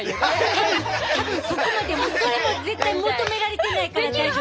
多分多分そこまで向こうも絶対求められてないから大丈夫。